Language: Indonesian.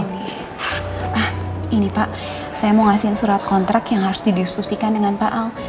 nah ini pak saya mau ngasihin surat kontrak yang harus didiskusikan dengan pak al